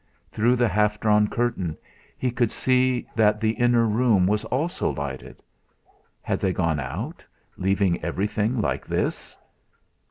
Through the half drawn curtain he could see that the inner room was also lighted. Had they gone out, leaving everything like this?